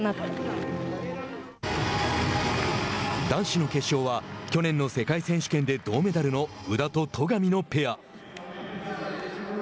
男子の決勝は去年の世界選手権で銅メダルの宇田と戸上のペア。